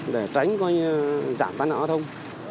để tránh giảm tai nạn giao thông